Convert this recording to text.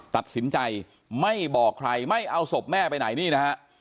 ตัดสินใจไม่บอกใครไม่เอาศพแม่ไปไหนนี่นะฮะ